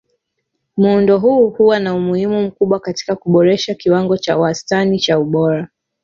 Muundo huu huwa na umuhimu mkubwa katika kuboresha kiwango cha wastani cha ubora.